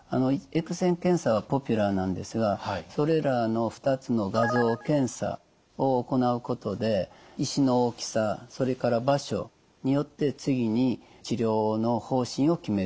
Ｘ線検査はポピュラーなんですがそれらの２つの画像検査を行うことで石の大きさそれから場所によって次に治療の方針を決めることになります。